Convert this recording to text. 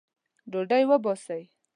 ډوډۍ وباسئ